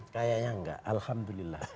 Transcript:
kayanya tidak alhamdulillah